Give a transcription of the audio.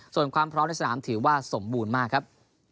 ส่วนความพร้อมในสนามถือว่าสมบูรณ์มากครับ